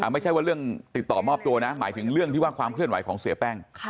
ไม่ใช่ว่าเรื่องติดต่อมอบตัวนะหมายถึงเรื่องที่ว่าความเคลื่อนไหวของเสียแป้ง